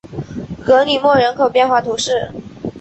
格里莫人口变化图示